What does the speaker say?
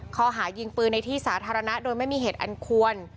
ข้อหายิงปืนในที่สาธารณะโดยไม่มีเหตุอันควร